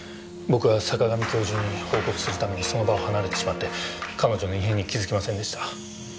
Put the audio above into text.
僕は坂上教授に報告するためにその場を離れてしまって彼女の異変に気づきませんでした。